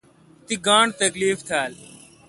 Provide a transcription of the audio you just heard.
تی گاݨڈ تکیف تھال۔